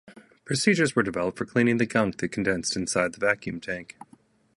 Procedures were developed for cleaning the "gunk" that condensed inside the vacuum tank.